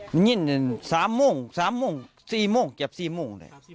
นี่นี่๓โมง๓โมง๔โมงเกี่ยวกับ๔โมงเลย